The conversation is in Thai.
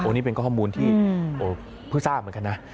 โอ้โหนี่เป็นข้อข้อมูลที่โอ้โหเพื่อทราบเหมือนกันนะ